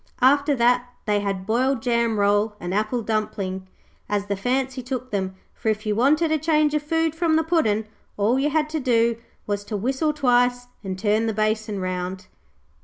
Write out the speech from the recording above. After that they had boiled jam roll and apple dumpling, as the fancy took them, for if you wanted a change of food from the Puddin', all you had to do was to whistle twice and turn the basin round.